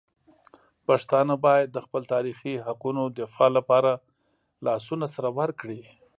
پښتانه باید د خپل تاریخي حقونو دفاع لپاره لاسونه سره ورکړي.